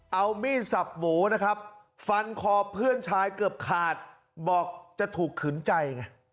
เอามีดสับหมูนะครับฟันคอเพื่อนชายเกือบขาดบอกจะถูกขืนใจไง